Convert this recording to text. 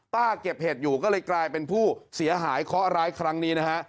เก็บเห็ดอยู่ก็เลยกลายเป็นผู้เสียหายเคาะร้ายครั้งนี้นะฮะ